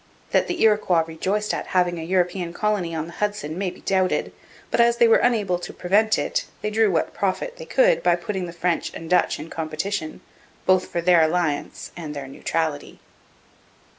That the Iroquois rejoiced at having a European colony on the Hudson may be doubted, but as they were unable to prevent it, they drew what profit they could by putting the French and Dutch in competition, both for their alliance and their neutrality.